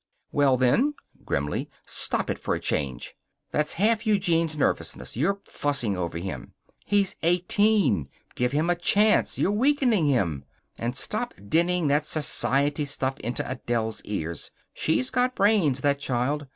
"Well, then," grimly, "stop it for a change. That's half Eugene's nervousness your fussing over him. He's eighteen. Give him a chance. You're weakening him. And stop dinning that society stuff into Adele's ears. She's got brains, that child.